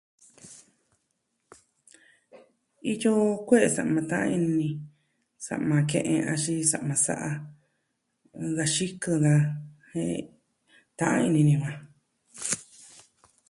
Iyo kue'e sa'ma ta'an ini ni. Sa'ma ke'en axin sama sa'an. Da xikɨn daa jen ta'an ini ni maa.